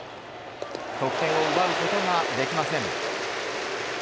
得点を奪うことができません。